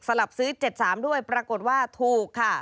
รับซื้อ๗๓ด้วยปรากฏว่าถูกค่ะ